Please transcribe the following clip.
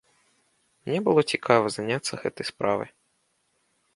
Мне было цікава заняцца гэтай справай.